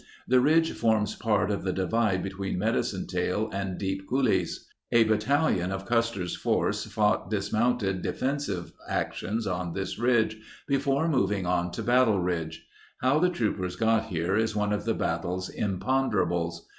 The ridge forms part of the divide between Medicine Tail and Deep Coulees. A battalion of Custer's force fought dis mounted defensive actions on this ridge before moving on to Battle Ridge. How the troopers got here is one of the battle's imponderables.